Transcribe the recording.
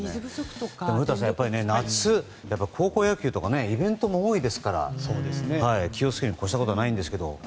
古田さん、やっぱり高校野球とかイベントも多いですから気を付けるに越したことはないんですが。